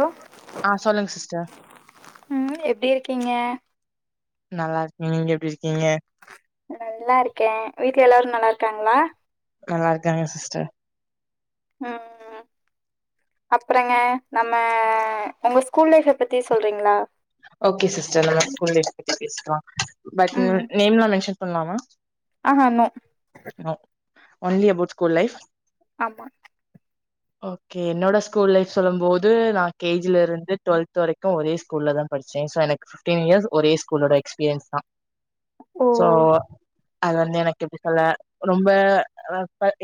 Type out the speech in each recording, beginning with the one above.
Hello ஆ சொல்லுங்க sister ம் எப்டி இருக்கீங்க நல்லா இருக்க நீங்க எப்டி இருக்கீங்க நல்லா இருக்க வீட்ல எல்லாரு நல்லாருக்காங்களா நல்லா இருக்கங்க சிஸ்டர் உ அப்புறங்க நம்ம உங்க ஸ்கூல் லைஃப பத்தி சொல்றீங்களா ஓகே சிஸ்டர் நம்ம ஸ்கூல் லைஃப் பத்தி பேச்லா பட் ம் நேம் நா மென்ஷன் சொல்லாமா ஆஹா no only about school life ஆமா ஓகே என்னோட ஸ்கூல் லைஃப் சொல்லும் போது நா கேஜகல இருந்து டுவெல்த் வரைக்கோ ஒரே ஸ்கூல்ல தா படிச்சே சோ எனக்கு ஃபிஃப்ட்டீன் இயர்ஸ் ஒரே ஸ்கூலோட எக்ஸ்பீரியன்ஸ் தா ஓ சோ அது வந்து எனக்கு எப்டி சொல்ல ரொம்ப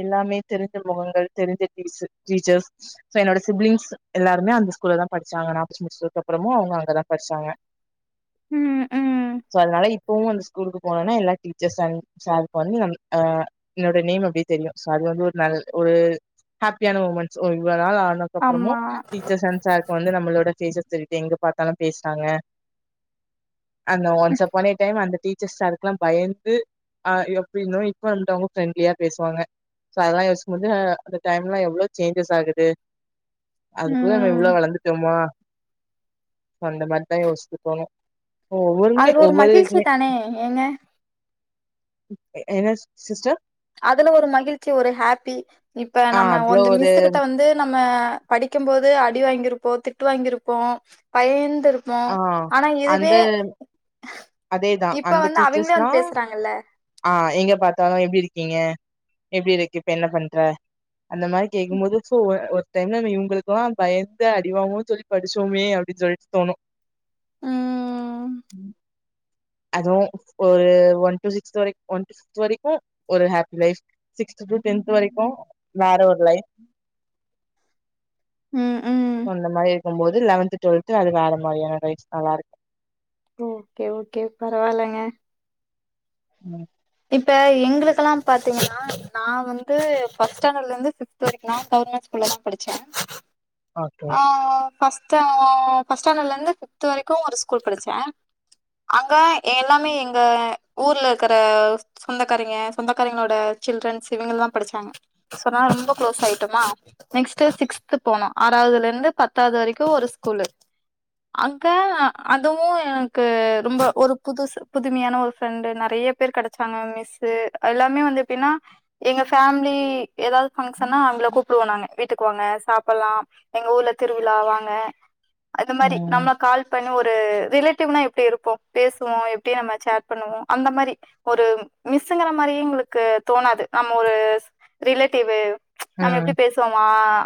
எல்லாமே தெரிஞ்ச முகங்கள் தெரிஞ்ச டீஸு டீச்சர்ஸ் சோ என்னோட சிப்லிங்ஸ் எல்லாருமே அந்த ஸ்கூல்ல தா படிச்சாங்க நா படிச்சி முடிச்சதுக்கு அப்புறமு அவங்க அங்கதா படிச்சாங்க ம் ம் சோ அதனால இப் போவு அந்த ஸ்கூலுக்கு போனனா எல்லா டீச்சர்ஸ் அண்ட் சார்க்கு வந்து என்னோட நேம் அப்டியே தெரியு அது ஒரு ந ஒரு ஹாப்பியான மொமெண்ட்ஸ் ஒரு இதுவாருக் ரொம்ப நாள் ஆனக்கப்றோமு ஆமா டீச்சர்ஸ் அண்ட் சாருக்கு வந்து நம்மளோட [unintelligible] தெரிது எங்க பாத்தாலு பேசுறாங்க அந்த ஒன் சப்பான்ய டைம் அந்த டீச் சர்ஸ் சாருக்கெல்லா பயந்து ஆ எப்டிருந்தோ இப்ப வந்து அவங்க ஃப்ரெண்ட்லியா பேசுவாங்க சோ அதெல்லா யோசிக்கும்போது அந்த டைம்லா எவ்ளோ சேஞ்சஸ் ஆகுது அதுக்குள்ள நம்ம ம் இவ்ளோ வளந்துட்டோமா சோ அந்த மாரி தா யோசிக்க தோணு ஒவ்வொருமே அது ஒரு ஒவ்வொரு மகிழ்ச்சி இதுமே தானே ஏங்க என்ன சிஸ்டர் அதுல ஒரு மகில்ச்சி ஒரு ஹாப்பி இப்ப ஆ நம்ம அதுல வொந்து ஒரு மிஸ்ஸு கிட்ட வந்து நம்ம படிக்கும் போது அடி வாங்கிருப்போ திட்டு வாங்கிருப்போ பயந் துருப்போ ஆனா இதுவே அதேதா இப்ப அந்த வந்து அவிங்களே டீச்சர்ஸ்ல்லா வந்து பேசுறாங்கல்ல ஆ எங்க பாத்தாலு எப்டி இருக் க்கீங்க எப்டி இருக்க இப்ப என்ன பண்ற அந்த மாரி கேக்கும்போது ஒரு டைம்ல நம்ம இவங்களுக்குல்லா பயந்து அடிவாங்குவோன் சொல்லி படிச்சோமே அப்டின்னு சொல்லிட்டு தோணு ம் உம் அதுவு ஒரு ஒன் டு சிக்ஸ்த் வரைக்கு ஒன் ஃப்த் வரைக்கு ஒரு happy life sixth to tenth வரைக்கு வேற ஒரு லைஃப் ம் ம் சொன்ன மாரி போகும் போது லெவன்த் டுவெல்து அது வேற மாரியான லைஃப் நல்லா இருக்கும் ஓகே ஓகே பரவாலங்க உம் இப்ப எங்களுக்குக்கல்லாம் பாத்தீங்கன்னா நான் வந்து பஸ்ட் ஸ்டாண்டர்ட் இருந்து ஃப்த் வரைக்கும் கவர்மெண்ட் ஸ்கூல்ல தான் படிச்சேன் ஓகே. ஆமா ஃபர்ஸ் ஃபர்ஸ்ட் ஸாண்டர்ட்ல இருந்து ஃப்த் வரைக்கும் ஒரு ஸ்கூல் படிச்சேன் அங்கே எல்லாமே எங்க ஊர்ல இருக்கிற சொந்தக்காரங்கய சொந்தக்காரங்களோட சில்றன்ஸ் இவங்கல்லாம் படிச்சாங்க க்லோஸ் ஆயிட்டமா நெக்ஸ்ட் சிக்ஸ்து போனோமா ஆறதுல இருந்து பத்தாவது வரைக்கும் ஒரு ஸ்கூலு அக்க அதுவும் ரொம்ப ஒரு புது புதுமையான ஒரு பிஃரெண்டு் நெறைய பேர் கடைச்ச சாங்க மிஸ் எல்லாமே வந்து எப்டின்னா எங்க பே ஃமிலி ஏதாவது பங்க்ஷனா அவங்கள கூப்பிடுவோம் நாங்க வீட்டுக்கு வாங்க சா அப்பலாம் எங்க ஊர்ல திருவிழா வாங்க அது மாரி ம். நம்ம கால் பண்ணி ஒரு ரிலேட்டிவ்னா எப்டி இருப்போம் பேசுவோம் எப்படி நம்ம சேட் பண்ணுவோம் அந்த மாரி ஒரு மிஸ்ங்கற மாரியே எங்களுக்கு தோணாது நம்ம ஒரு ரிலேட்டிவ் நம்ம ம். எப்டி பேசுவோம்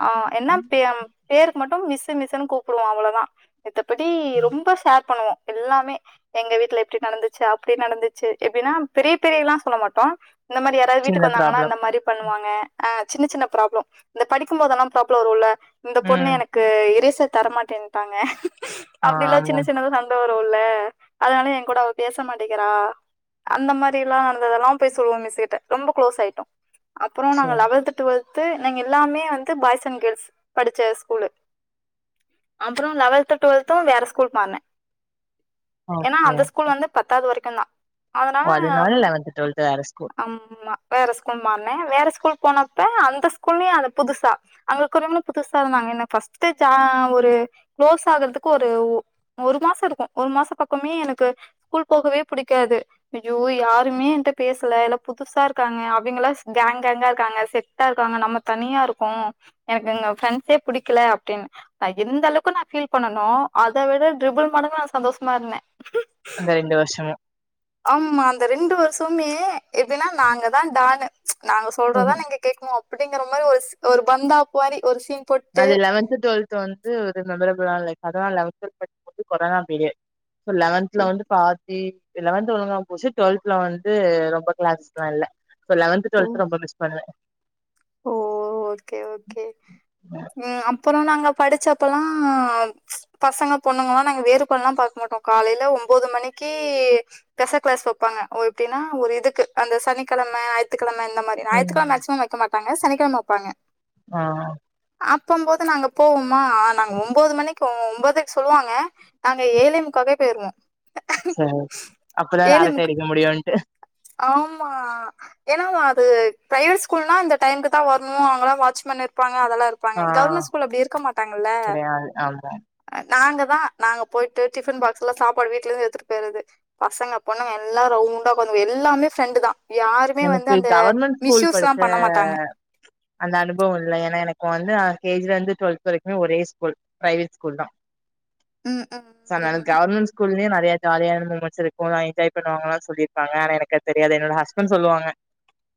ஆஹ் என்ன பேருக்கு மட்டும் மிஸ் மிஸ்ன்னு கூப்டுவோம் அவ்ளோதான் மித்தபடி ரொம்ப ஷேர் பண்ணுவோம் எல்லாமே எங்க வீட்டுல இப்படி நடந்துச்சு அப்படி நடந்துச்சு எப்டின்னா பெரிய பெரிய எல்லாம் சொல்ல மாட்டோம் இந்த மாரி யாரது சின்ன வீட்டுக்கு வந்தாங்கனா ப்ராப்ளம். இந்த மாரி பண்ணுவாங்க ஆஹ் சின்ன சின்ன ப்ராப்ளம் இந்த படிக்கும்போதெல்லாம் ப்ராப்ளம் வரும்ல இந்த பொண்ணு ம். எனக்கு இரசர் தரமாட்டேன்ட்டாங்க ஆ அப்டில்லாம் ஆமா. சின்ன சின்னதா சண்ட வரும் கும்ல அதனால என் கூட அவ பேச மாட்டேங்கிறா அந்த மாரிலாம் நடந்ததெல்லாம் போய் சொல்லுவோம் மிஸ் கிட்ட ரொம்ப க்ளோஸ் ஆயிட்டும் அப்புறம் நா சரி. லேவன்த டுவல் ங்க எல்லாமே வந்து பாய்ஸ் அண்ட் கேர்ள்ஸ் படிச்ச ஸ்கூல் அப்பறம் லெவன்த டுவெல்த்தும் வேற ஸ்கூல் போனேன் ஏன்னா ஓகே. அந்த ஸ்கூல் வந்து பத்தாவது வரைக்கும் இருக்கனா ஓ அதுனால லெவன்த்து டுவெல்த்து வேற ஸ்கூல் ஆமா வேற ஸ்கூல் மாறுன வேற ஸ்கூல் போனப்ப அந்த ஸ்கூல்லயு அத புதுசா அங்களுக்கு ஒரும்னு புதுசா இருந்தாங்க எனக்கு ஃபஸ்ட்டு ஜா ஒரு குளோஸ் ஆகுறதுக்கு ஒரு ஒ ஒரு மாசோ இருக்கு ஒரு மாசோ பக்கமே எனக்கு ஸ்கூல் போகவே புடிக்காது ஐயோ யாருமே என்ட பேசல எல்லா புதுசா இருக்காங்க அவிங்கல்லாஸ் கேங் கேங்கா இருக்காங்க செட்டா இருக்காங்க நம்ம தனியா இருக்கோ எனக்கு இங்க ஃப்ரெண்ட்ஸே புடிக்கல அப்டின்னு நா எந்த அளவுக்கு நா ஃபீல் பண்ணனோ அத விட ட்ரிபுள் மடங்கு நா சந்தோஷமா இருந்த அந்த ரெண்டு வருஷமு ஆம்ஆ அந்த ரெண்டு வருஷ்மே எப்டின்னா நாங்கதா டானு நாங்க சொல்றதா நீங்க கேக்கனு அப் அப்டிங்கற மாரி ஒருஸ் ஒரு பந்தாப்பு மாரி ஒரு சீன் போட்டு அது லெவன்த்து டுவெல்த்து வந்து ஒரு மெமரபுள் அதுதா லைஃப் அதா லெவன்த்து டுவெல்த்து வந்து கொரோனா பீரியடு ஓ! லெவன்த்ல வந்து பாத் தீ லெவன்த்து ஒழுங்கா போச்சு டுவெல்த்துல வந்து ரொம்ப கிளாஸ்லா இல்ல இப்ப லெவன்த்து ஓ! டுவெல்த்து ரொம்ப மிஸ் பண்ணுவ ஓ ஓகே ஓகே ம் அப்புறோ நாங்க படுச்சப்பல்லா பசங்க பொண்ணுங்களா நாங்க வேறுபாடல்லாம் பாக்க மாட்டோ காலைல ஒம்போது மணிக்கு பெச கிளாஸ் வெப்பாங்க ஓ எப்டின்னா ஒரு இதுக்கு அந்த சனிக்கெழம ஞாயித்து கெழம இந்த மாரி ஞாயித்துகெழம ம் மேக்சிமம் வெக்க மாட் டாங்க சனிக்கெழம வெப்பாங்க ம் அப்பம் போது நாங்க போவோமா நாங்க ஒம்போது மணிக்கு ஒம்போதுக் சொல்லுவாங்க நாங்க ஏழே முக்காக்கே போயிருவோ சேர் அப்பதான அரட்ட அடிக்க முடியுன்ட்டு ஆமா ஏன்னா அது பிரைவேட் ஸ்கூல்னா இந்த டைம்முக்கு தா வர்ணு அங்கல்லா வாட்ச்மேன் இருப்பாங் ங்க அதெல்லா இருப்பாங்க ஆ கவர்மெண்ட் ஸ்கூல் அப்டி இருக்க மாட்டாங்கல்ல கெடையாது ஆமா நாங்கதா நாங்க போயிட்டு டிஃபன் பாக்ஸ் எல்லா சாப்பாடு வீட்ல இருந்து எத்துட்டு போயிறது பசங்க பொண்ணங்க எல்லா ரவுண்டா உக்காந் எல்லாமே ஃப்ரெண்டு தா யாருமே வந்து எனக்கு அந்த கவர்மெண்ட் ஸ்கூல் படிச்ச மிஸ்யூஸ்லாம் பண்ண மாட்டாங்க அந்த அனுபவோ இல்ல ஏனா எனக்கு வந்து நா கேஜில்ல இருந்து டுவெல்த்து வரைக்குமே ஒரே ஸ்கூல் பிரேவேட் ஸ்கூல் தா ம் ம் சோ அதுனால ம் கவர்மெண்ட் ஸ்கூல்லயே தே ஜாலியான மூமெண்டஸ் இருக்கு என்ஜாய் பண்ணுவாங்களா சொல்லிருப்பாங்க ஆனா எனக்கு அது தெரியாது என்னோட ஹஸ் பண்ட் சொல்லுவாங்க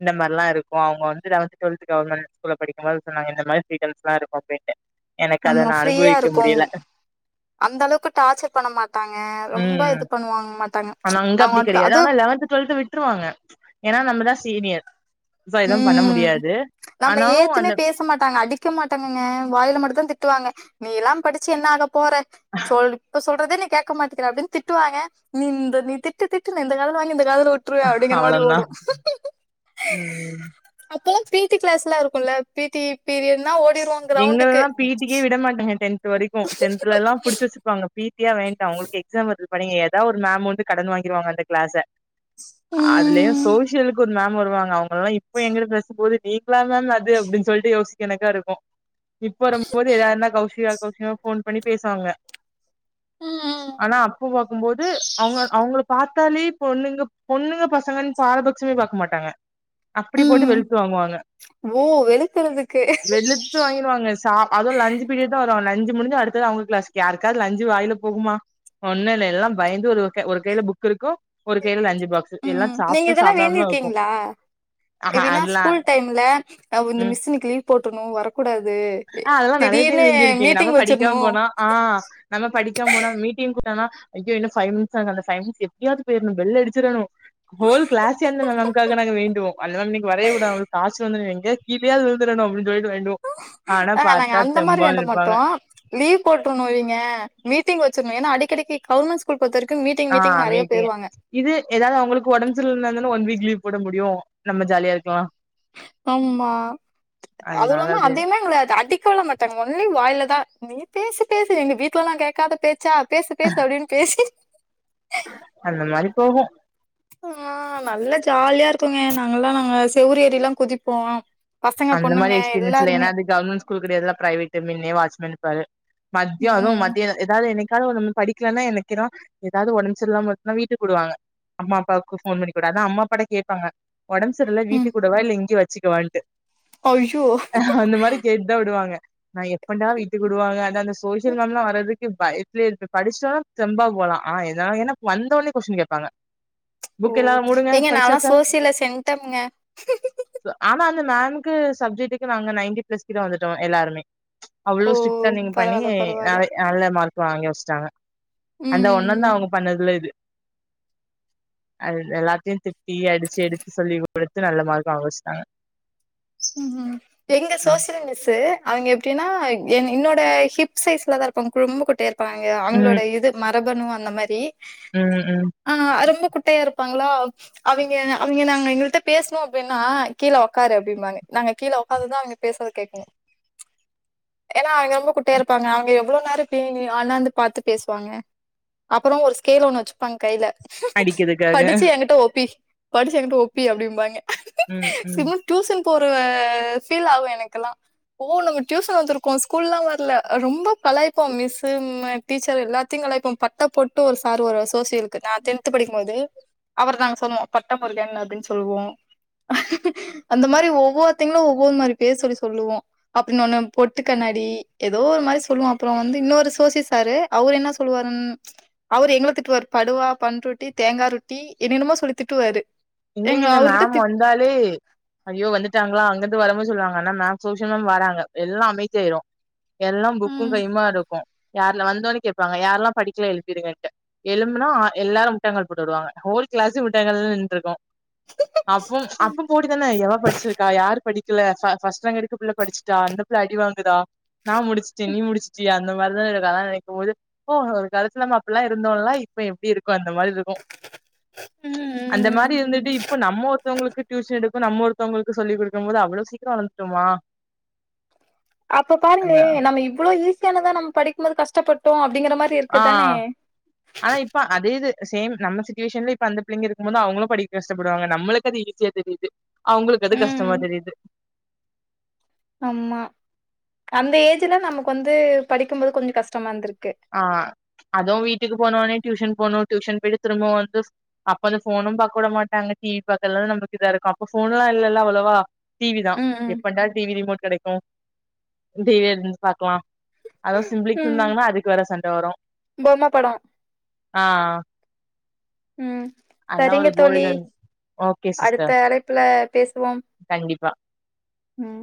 இந்த மார்லா இருக்கு அவங்க வந்து லெவன்த்து டுவெல்த்து கவர்மெண்ட் ஸ்கூல்ல படிக்கும்போது சொன்னாங்க இந்த மாரி [unintelligible] எல்லா இருக்கு அப்டின்ட்டு எனக்கு அத நம்ம நா ஃப்ரீயா அனுபவிக்க இருக்கோ முடியல அந்த அளவுக்கு டார்ச்சர் பண்ண மாட்டாங்க ரொம்ப ம் இது பண்ணுவாங் மாட்டாங்க ஆனா அங்க அப்டி அவங்கவந்துக் கெடையாது அது இதா நம்மதா சீனியர் சோ எதுவு பண்ண ம் முடியாது நம்ம ஆனாலு ஏத்துமே அந்த பேச மாட்டாங்க அடிக்க மாட்டாங்குங்க வாயில மட்டுந்தா திட் தீட்டுவாங்க நீ எல்லாம் படுச்சு என்ன ஆகப் போற சொல்லுக்கு சொல் சொல்றதே நீ கேட்க மாட்டேங்கிற அப்படின்னு திட்டுவாங்க நீ நீ திட்டு திட்டுன்னு இந்த காதுல வாங்கி இந்த இந்த காதுல உட்டுருவேன் அப்டிங்கிற மாதிரி அவ்ளோதா ஓடும் ம் அப்பாம் பி டி கிளாஸ் எல்லாம் இருக்கும் பி டி பீரியடுனா ஓடி எங்கல்லாம் பி டி க்கே விட மாட்டாங்க டென்த் து வரைக்கும் டென்த்துல எல்லாம் புடிச்சி வச்சிருப்பாங்க பி டியே உங்களுக்கு எக்ஸாம் இருக்கு பண்ணீங்க ஏதாவது ஒரு மேம் வந்து கடன் வாங்கிடுவாங்க அந்த கிளாஸ்ஸ அதுலயும் ம் சோசியலுக்கு ஒரு மேம் வருவாங்க அவுங்க எல்லாம் இப்ப எங்கிட்ட பேசு போது நீக்களா மேம் அது அப்படின்னு சொல்லிட்டு யோசிக்கனக்கா இருக்கோம் இப்ப வரும்போது யாருனா கௌசிகா ஃபோன் பண்ணி பேசுவாங்க ம் ஆனா அப்போ பார்க்குபோது அவுங்க அவுங்களுக் பாத்தாலே பொண்ணுங்க பொண்ணுங்க பசங்கன்னு பாரபட்சமே பாக்க மாட்டாங்க அப்டி போட்டு ம் வெளுத்து வாங்குவாங்க ஓ வெளுக்கறதுக்கு வெளுத்து வாங்கிடுவாங்க சா அதுவும் லஞ்ச் பீரியட்டுதான் வருவாங்க லஞ்ச் முடிஞ்சி அடுத்தது அவுங்க க்ளாஸ் யாருக்காது லஞ்ச் வாயில போகுமா ஒன்னுல்ல எல்லா பயந்து ஓரு ஒரு கைல புக் இருக்கும் ஒரு கையல லஞ்ச் ம் நீங்க இதெல்லாம் வேண்டியிருக்கீங்களா ஆஹா எப்படின்னா அதெல்லா ஸ்கூல் டைம்ல ம் இந்த மிஸ்னுக்கு போட்டணு வரக் ஆ அதெல்லா நெறையத்தேன் வேன்டிருக்கேன் நம்ம மீட்டிங் வச்சிர்ணு படிக்காம போனா ஆ நம்ம படிக்காம போனா மீட்டிங் ஆனா ஐயா இன்னும் ஃபைவ்மினிஸ் அந்த ஃபைவ்மினிஸ் எப்டியாவது போயிடனும் பெள் அடிச்சிடணும் ஹோல் க்ளாஸ் நமக்காக நாங்க வேண்டுவோம் அல்ல மா நீங்க வரைய விடா அவுங்க காசு வந்து நீங்க ஏன் கீலயாவது விழுத்தடணும் அப்டின்னு சொல்லிட்டு வேண்டுவோம் ஆ நாங்க அந்த மாதிரி வேண்ட மாட்டோம் லீவ் போட்டுருணோவிங்க மீட்டிங் வச் சனும் ஏன்னா அடிக்கடிக்கு கவர்மெண்ட் ஸ்கூல் பொறுத்த வரைக் ஆ மீட்டிங்க இது ஏதாவது அவுங்களுக்கு உடம்பு சர்ல்லனா ஒன் வீக் லீவ் போட முடியும் நம்ம ஜாலியா இருக்கலா ஆமா அதுவும் அதனால இல்லாம அது அதேமே எங்க அடிக்கலாம் மாட்டாங்க ஒன்லி வாயிலதான் நீ பேசு பேசு எங்க வீட்டுல எல்லா கேட்காத பேச் சா பேசு பேசு அப்படின்னு பேசி அந்த மாரி போகு ஆஹ் நல்லா ஜாலியா இருக்குங்க நாங்கெல்லாம் நாங்க செவுரு ஏறிலாம் குதிப்போம் அந்த மாதிரி எஸ்பரியன்ஸ்ல்ல ஏன்னாது கவர்மெண்ட்ஸ்கூல் கிடையாதுல்ல பிரைவேட்டுன்னே வாட்சஸ்மன் இருப்பாரு மத்தியானோம் ம் மத்தியம் ஏதாவது எனக் ஏதாவது உம் படிக்கலன்னா எனக்கிறோ ஏதாவது ஒடம்பு சரிஇல்லாட்டி வீட்டுக்குடுவாங்க அம்மா அப்பாக்கு போன் பண்ணி கூடாது அதான் அம்மா அப்பா கேட்பாங்க உடம்பு சரியில்ல ம் வீட்டு கூடவா இல்ல இங்க வச் வச்சிக்க வான்ட்டு ஐயோ அந்த மாதிரி கேட்டுதான் விடுவாங்க நான் எப்படா வீட்டுக்கு விடுவாங்க அந்த அந்த ஸ்கூல் சோசியல் மேம் எல்லாம் வர்ரது இ பயத்திலேயே இருக்கு படிச்சிட்டன தெம்பா போலாம் ஆனா ஏன்னா வந்தோன கொஸ்டின் கேட்பாங்க ஓ எங்க நான்லாம் சோசியல சென்ட்டம்ங்க நான் சப்ஜெக்டுக்கு நாங்க நைன்டி பிளஸ் கிட்ட வந்துட்டோம் எல்லாருமே ஓ அவ்ளோ ஸ்ட்ரிக்டா நீங்க பண்ணிங்க பரவால்ல பரவால்ல அவ்ளோ மார்க் வாங்கி வச்சிட்டாங்க அந்த ஒண்ணு ம் தான் அவங்க பண்ணதுல இது அ எல்லாத்தையும் திட்டி அடிச்சு எடுத்து சொல்லி கொடுத்து நல்ல மார்க் வாங்க வச்சிட்டாங்க ஹம்ம் எங்க சோசில் மிஸ்ஸுக்கு அவங்க எப்படின்னா என் என்னோட ஹிப் சைஸ்லதான் இருப்பாங்க ரொம்ப குட்டயா இருப்பாங்க இருப்பாங்க அவங்களோட ம் இது மரபணுவ அந்த மாதிரி ம் ம் ஆஹ் ரொம்ப குட்டையா இருக் இருப்பாங்களா அவங்க அவங்க நாங்க எங்ககிட்ட பேசனும் அப்படின்னா கீழே உக்காரு அப்படின்பாங்க நாங்க கீழே ஒக்காந்து தான் அவங்க பேசறதை கேட்கணும் ஏன்னா அவங்க ரொம்ப குட்டியா இருப்பாங்க அவங்க எவ்ளோ நேரம் அண்ணாந்து பார்த்து பேசுவாங்க அப்புறம் ஒரு ஸ்கேல் ஒண்ணு வச்சுப்பாங்க கையில அடிக்கிறதுக்காக படிச்சு எங்கிட்ட ஓப்பி படிச்சி எங்கிட்ட ஒப்பி அப்படிம்பாங்க உம் உம் அப்ப ஒரு பீல்லாகும் எனக்கெல்லாம் ஓ நம்ம டியூசன் வந்திருக்கோம் ஸ்கூல் வரல ரொம்ப கலாய்ப்போம் மிஸ்சு டீச்சர் எல்லாத்தையும் கலாய்ப்போம் பட்ட போட்டு ஒரு சார் வருவாரு சோசியலுக்கு நாங்க டென்த் படிக்கும் போது அவர நாங்க சொல்வோம் பட்ட முருகன் அப்டினு சொல்லுவோம் அந்த மாரி ஒவ்வொருத்தங்களையும் ஒவ்வொரு மாதிரி பேர் சொல்லி சொல்லுவோம் அப்படின் ஒன்னு பொருத்துக்கோங்கடி ஏதோ ஒரு மாதிரி சொல்லுவோம் அப்புறம் வந்து இன்னொரு சோசியல்சாரு அவரு என்ன சொல்லுவாருன்னு அவரு எங்களை திட்டுவாரு படுவா பண்ருட்டி தேங்காய் ரொட்டி என்னென்னமோ சொல்லி திட்டுவாரு எங்க எங்களுக்கு இந்த அவர்கிட்ட மேம் திட் வந்தாலே ஐயோ வந்துட்டாங்களா அங்கந்து வர போதே சொல்லுவாங்க ஆனா மேம் சோசியல் மேம் வராங்க எல்லாம் அமைதி ஆயிரும் எல்லாம் புக்கும் ம் கையுமா இருக்கும் யார்ல வந்தோன்னு கேட்பாங்க யாரல்லாம் படிக்க எழுந்திருங்கன்ட்டு எழும்பனா எல்லாரும் முட்டங்கள் போட்டு விடுவாங்க ஹோல் கிளாஸு முட்டங்காள்ள நின்னு இருக்கோம் அப்பவும் ம் அப்ப போட்டி தானே எவ படிச்சிருக்கா யாரு படிக் பர்ஸ்ட்ரேங்க் எடுக்கும் புள்ள படிச்சிட்டா அந்தபுள்ளை அடி வாங்குதா நான் முடிச்சிட நீ முடிச்சிட்யா அந்த மாதிரி தான அதெல்லா நினைக்கும் போது ஒரு காலத்துல அப்படில்லாம் இருந்தோம்ல இப்ப எப்படி இருக் அந்த மாதிரி இருக்கும் அந்த ம் மாதிரி இருந்து இப்ப நம்ம ஒருத்தவங்களுக்கு டியூஷன் எடுக்கும் நம்ம ஒருத்தவங்களுக்கு சொல்லி் கொடுக்கும் போது அவ்வளோ சீக்கிரம் வளர்ந்துட்டுமா அப்ப பாருங்களேன் நம்ம இவ்வளோ ஈசி யானதா நம்ம படிக்கும்போது கஷ்டப்பட்டோம் அப்டி ஆஹ் ஆனா இப்ப அதே இது சேம் நம்ம சுச்வேஷன்ல இப்ப அந்த பிள்ளைங்க இருக்கும் போது அவங்களும் படிக்க கஷ்டப்படுவாங்க நம்மளுக்கு அது ஈஸியா தெரியுது அவங்களுக்கு அது கஷ்டமா ம் தெரியுது ஆமா அந்த ஏஜ்ல நமக்கு வந்து படிக்கும்போது கொஞ்சம் கஷ்டமா இருந்திருக்கு ஆஹ் அதுவும் வீட்டுக்கு போனவனே டியூஷன் போகனும் டியூசன் போயிட்டு திரும்பவும் வந்து அப்ப வந்து போனும்னு கூட மாட்டாங்க டிவி பாக்க எல்லாம் நமக்கு இதா இருக்கும் போன்லாம்எல்லாம் அவ்வளவா டிவி தான் ம் ம் எப்பாட டிவி ரிமோட் கிடைக்கும் ம் டிவிய இருந்து பாக்கலாம் அதவும் சிபிலிங்ஸ் ம் இருந்தாங்கன்னா அதுக்கு வேற சண்டை வரும் பொம்ம படோ ஆஹ் ம் சரிங்க தோழி ஓகே அடுத்த சிஸ்டர் அழைப்புல பேசுவோம் ப்பா உம்